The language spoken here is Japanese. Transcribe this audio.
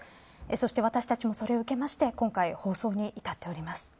そして私たちもそれを受けまして今回、放送に至っております。